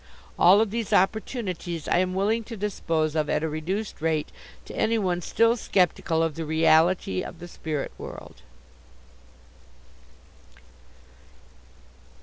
All of these opportunities I am willing to dispose of at a reduced rate to anyone still sceptical of the reality of the spirit world.